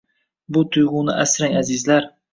Bu tuyg‘uni asrang, azizlar.